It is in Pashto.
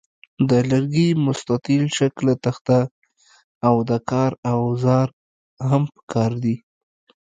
د لرګي مستطیل شکله تخته او د کار اوزار هم پکار دي.